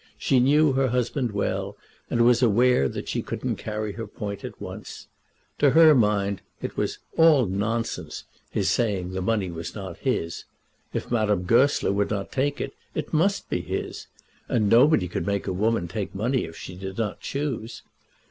She knew her husband well, and was aware that she couldn't carry her point at once. To her mind it was "all nonsense" his saying that the money was not his. If Madame Goesler wouldn't take it, it must be his; and nobody could make a woman take money if she did not choose.